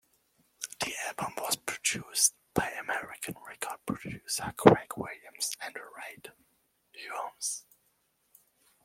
The album was produced by American record producer Craig Williams and Reid Hyams.